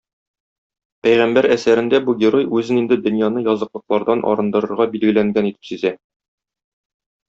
"Пәйгамбәр" әсәрендә бу герой үзен инде дөньяны языклыклардан арындырырга билгеләнгән итеп сизә.